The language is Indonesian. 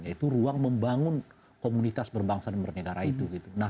yaitu ruang membangun komunitas berbangsa dan bernegara itu